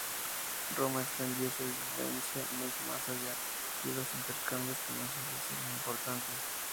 Roma extendió su influencia mucho más allá, y los intercambios comerciales eran importantes.